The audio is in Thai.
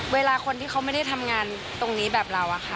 เวลาคนที่เขาไม่ได้ทำงานตรงนี้แบบเราอะค่ะ